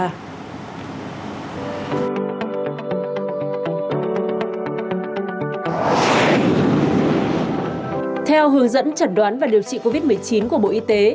theo hướng dẫn chẩn đoán và điều trị covid một mươi chín của bộ y tế